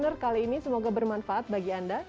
di corner kali ini semoga bermanfaat bagi anda